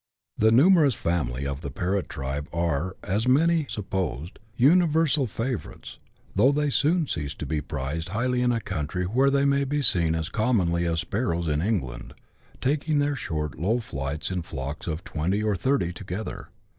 139 The numerous family of the parrot tribe are, as may be sup posed, universal favourites, though they soon cease to be prized highly in a country where they may be seen as commonly as sparrows in England, taking their short low flights in flocks of twenty or thirty together.